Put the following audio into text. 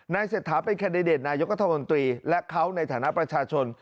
นายเสร็จถามเป็นแคดดิเดตนายกธรรมดีและเขาในฐานะประชาชน